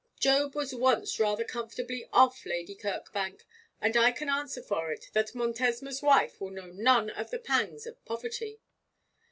'Job was once rather comfortably off, Lady Kirkbank; and I can answer for it that Montesma's wife will know none of the pangs of poverty.'